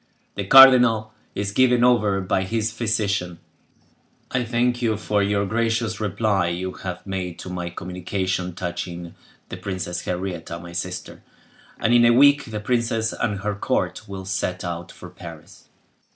The cardinal is given over by his physician. I thank you for the gracious reply you have made to my communication touching the Princess Henrietta, my sister, and, in a week, the princess and her court will set out for Paris.